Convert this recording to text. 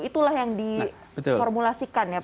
itulah yang diformulasikan ya pak ya